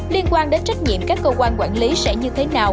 liên quan đến trách nhiệm các cơ quan quản lý sẽ như thế nào